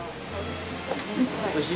おいしい？